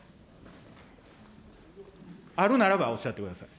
あるならばおっしゃってください。